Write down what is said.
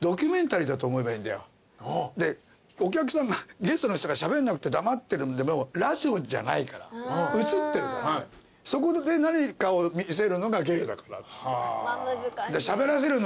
「ゲストの人がしゃべんなくて黙っててもラジオじゃないから映ってるからそこで何かを見せるのが芸だから」っつって。